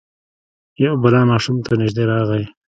یو بلا ماشوم ته نژدې راغی.